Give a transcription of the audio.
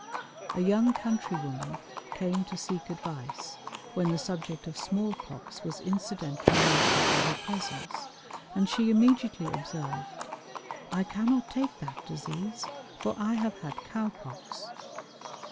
A young country woman came to seek advice, when the subject of small pox was incidentally mentioned in her presence, and she immediately observed, "I cannot take that disease, for I have had cow pox."